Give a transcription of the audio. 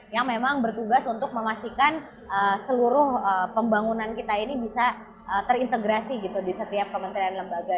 yang memang bertugas untuk memastikan seluruh pembangunan kita ini bisa terintegrasi gitu di setiap kementerian lembaga